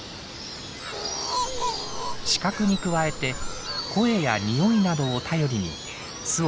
視覚に加えて声やにおいなどを頼りに巣を探すんです。